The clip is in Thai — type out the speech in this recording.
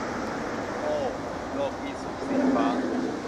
โอ้ โลกีย์สุข - สีฟ้า